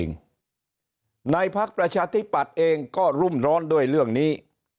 นี่นายพักประชาธิบัติเองก็รุมร้อนด้วยเรื่องนี้